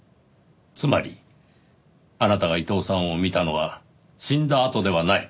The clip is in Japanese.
つまりあなたが伊藤さんを見たのは死んだあとではない。